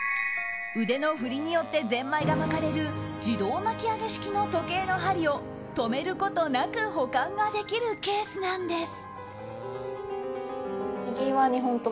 腕の振りによってぜんまいが巻かれる自動巻き上げ式の時計の針を止めることなく保管ができるケースなんです。